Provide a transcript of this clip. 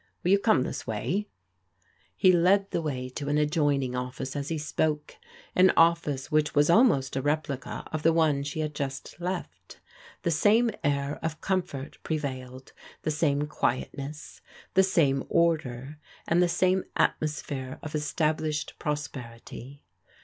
Will you come this way ?*' He led the way to an adjoining office as he spoke — an office which was almost a replica of the one she had just left The same air of comfort prevailed, the same quiet ness, the same order, and the same atmosphere of estab lished prosperity.